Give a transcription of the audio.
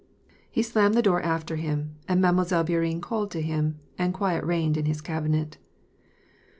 " He slammed the door after him, had Mademoiselle Bourienne called to him, and quiet reigned in his cabinet.